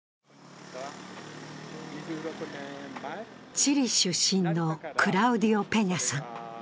チリ出身のクラウディオ・ペニャさん。